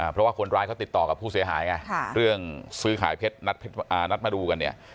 เพราะว่าคนร้ายเขาติดต่อกับผู้เสียหายไงเรื่องซื้อขายเพชรนัดมาดูกันเนี่ย